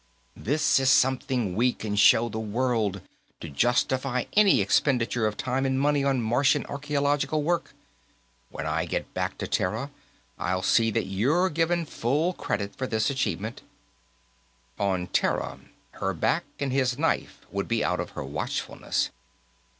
"This is something we can show the world, to justify any expenditure of time and money on Martian archaeological work. When I get back to Terra, I'll see that you're given full credit for this achievement " On Terra, her back and his knife would be out of her watchfulness.